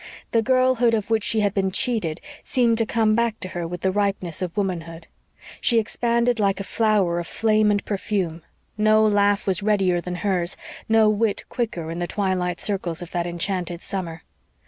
The girlhood of which she had been cheated seemed to come back to her with the ripeness of womanhood; she expanded like a flower of flame and perfume; no laugh was readier than hers, no wit quicker, in the twilight circles of that enchanted summer.